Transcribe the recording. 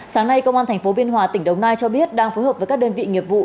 sáng nay công an tp biên hòa tỉnh đồng nai cho biết đang phối hợp với các đơn vị nghiệp vụ